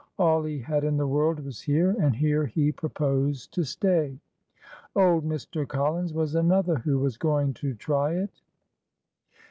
All he had in the world was here, and here he proposed to stay. Old Mr. Collins was another who was going to try it.